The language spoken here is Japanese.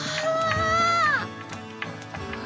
うわ！